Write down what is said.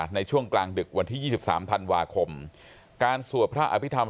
ในช่วงกลางดึกวันที่ยี่สิบสามทันวาคมการสวบพระอภิษฐรรม